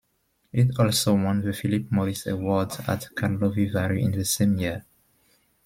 It also won the Philip Morris Award at Karlovy Vary in the same year.